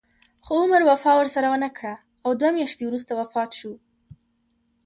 خو عمر وفا ورسره ونه کړه او دوه میاشتې وروسته وفات شو.